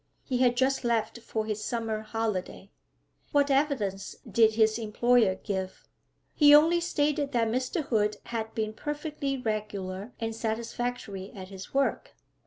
He had just left for his summer holiday.' 'What evidence did his employer give?' 'He only stated that Mr. Hood had been perfectly regular and satisfactory at his work.'